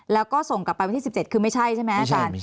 แล้วก็ส่งกลับไปวันที่๑๗คือไม่ใช่ใช่ไหมอาจารย์